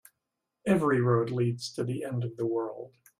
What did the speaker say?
Every road leads to the end of the world.